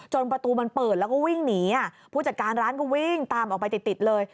ประตูมันเปิดแล้วก็วิ่งหนีผู้จัดการร้านก็วิ่งตามออกไปติดติดเลย